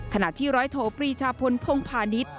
ขณะที่ร้อยโทปรีชาพลพงพาณิชย์